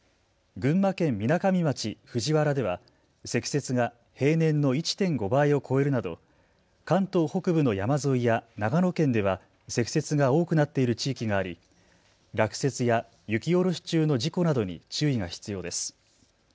群馬県みなかみ町藤原では積雪が平年の１．５倍を超えるなど関東北部の山沿いや長野県では積雪が多くなっている地域があり落雪や雪下ろし中の事故などに注意が必要です。